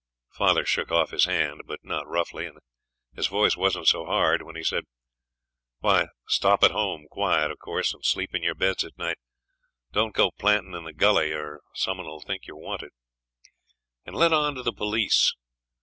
Father shook off his hand, but not roughly, and his voice wasn't so hard when he said 'Why, stop at home quiet, of course, and sleep in your beds at night. Don't go planting in the gully, or some one 'll think you're wanted, and let on to the police.